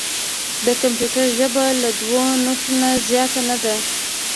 د کمپیوټر ژبه له دوه نښو نه زیاته نه ده.